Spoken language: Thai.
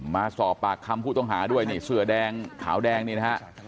มาสอบปากคำผู้ต้องหาด้วยนี่เสื้อแดงขาวแดงนี่นะฮะ